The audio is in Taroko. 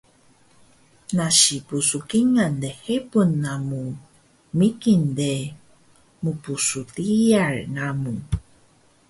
nasi pskingal lhebun namu migin de, mpsdiyal namu